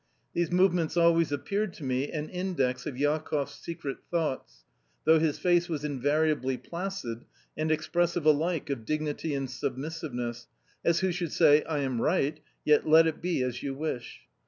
These movements always appeared to me an index of Jakoff's secret thoughts, though his face was invariably placid, and expressive alike of dignity and submissiveness, as who should say, "I am right, yet let it be as you wish."